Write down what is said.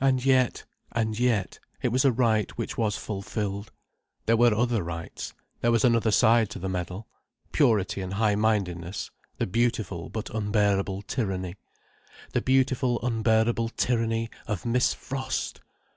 And yet—and yet—it was a right which was fulfilled. There were other rights. There was another side to the medal. Purity and high mindedness—the beautiful, but unbearable tyranny. The beautiful, unbearable tyranny of Miss Frost!